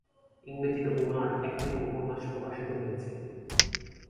ইংরেজিতে ওনার একাধিক উপন্যাস প্রকাশিত হয়েছে।